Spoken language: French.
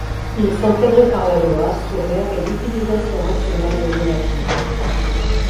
Ils sont cadrés par la loi sur l'air et l'utilisation rationnelle de l'énergie.